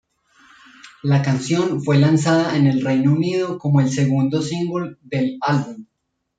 La canción fue lanzada en el Reino Unido como el segundo single del álbum.